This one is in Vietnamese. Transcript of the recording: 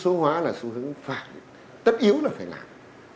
xu hướng số hóa là xu hướng phản tất yếu là phải làm